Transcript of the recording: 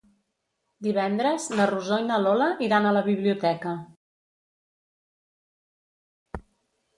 Divendres na Rosó i na Lola iran a la biblioteca.